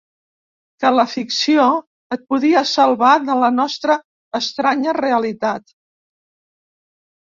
Que la ficció et podia salvar de la nostra estranya realitat.